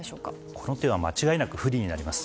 この点は間違いなく不利になります。